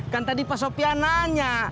kan tadi pak sofian nanya